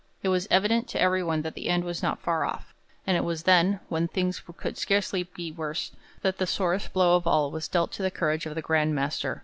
It was evident to everyone that the end was not far off, and it was then, when things could scarcely be worse, that the sorest blow of all was dealt to the courage of the Grand Master.